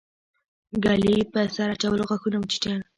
ګلي په سر اچولو غاښونه وچيچل.